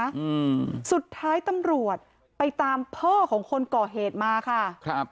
อืมสุดท้ายตำรวจไปตามพ่อของคนก่อเหตุมาค่ะครับ